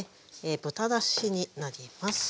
豚だしになります。